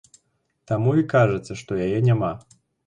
Таму і кажаце, што яе няма!